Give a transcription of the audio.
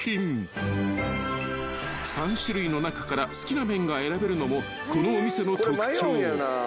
［３種類の中から好きな麺が選べるのもこのお店の特徴］